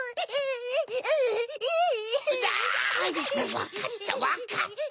わかったわかった。